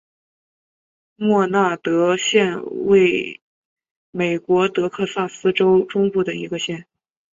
默纳德县位美国德克萨斯州中部的一个县。